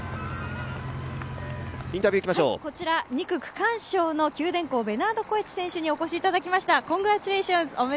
２区区間賞のベナード・コエチ選手に来ていただきました。